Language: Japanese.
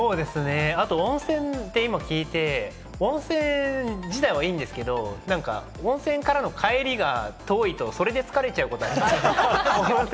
温泉って今聞いて、温泉自体はいいんですけれど、温泉からの帰りが遠いと、それで疲れちゃうこと、ありません？